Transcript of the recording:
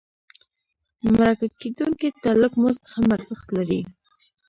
مرکه کېدونکي ته لږ مزد هم ارزښت لري.